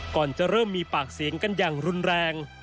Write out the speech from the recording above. ก่อนจะเริ่มมีปากเสียงกันอย่างรุนแรง